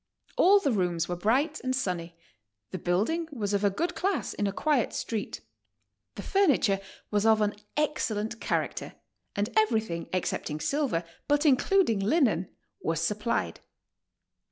All the rooms were bright and sunny. The building was of a good class in a quiet street. The furniture was of an excellent character, and everything excepting silver, but iii cluding linen, was supplied.